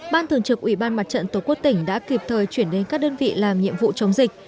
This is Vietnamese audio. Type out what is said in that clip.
ban thường trực ủy ban mặt trận tổ quốc tỉnh đã kịp thời chuyển đến các đơn vị làm nhiệm vụ chống dịch